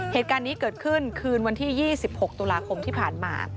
เหตุการณ์นี้เกิดขึ้นคืนวันที่๒๖ตุลาคมที่ผ่านมา